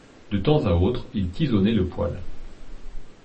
De temps à autre il tisonnait le poêle.